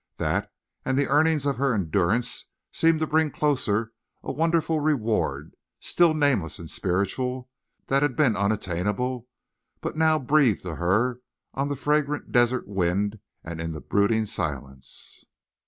That, and the earning of her endurance, seemed to bring closer a wonderful reward, still nameless and spiritual, that had been unattainable, but now breathed to her on the fragrant desert wind and in the brooding silence.